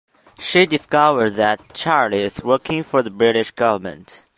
She discovers that Charlie is working for the British government.